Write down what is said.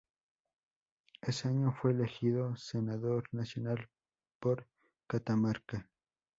Ese año fue elegido Senador Nacional por Catamarca.